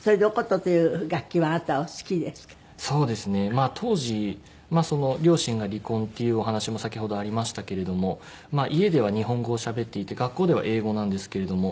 まあ当時両親が離婚っていうお話も先ほどありましたけれども家では日本語をしゃべっていて学校では英語なんですけれども。